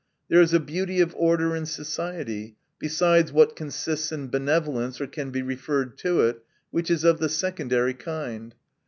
There is a beauty of order in society, besides what consists in benevolence, or can be referred to it, which is of the secondary kind.